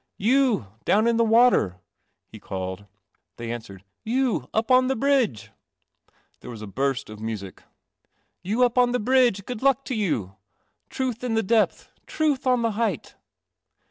•■ Y wn in the water " he called. They answered, "You up on the bridge " There was a DU1 music. " Vou up on the brid 1 luck t<> you. Truth in the depth, truth on the height."